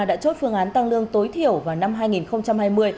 đã chốt phương án tăng lương tối thiểu vào năm hai nghìn hai mươi